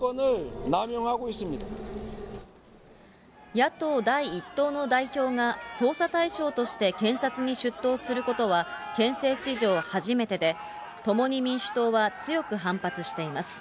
野党第１党の代表が、捜査対象として検察に出頭することは、憲政史上初めてで、共に民主党は強く反発しています。